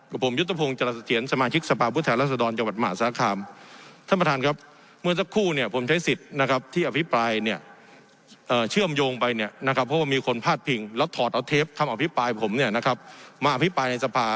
กับผมยุทธพงศ์จรษฐียนสมาชิกสภาพพฤษฐานรัศดรจังหวัดหมาสาธารณ์